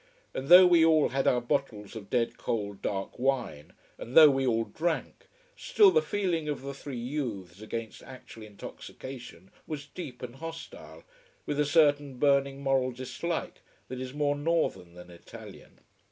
And though we all had our bottles of dead cold dark wine, and though we all drank: still, the feeling of the three youths against actual intoxication was deep and hostile, with a certain burning moral dislike that is more northern than Italian.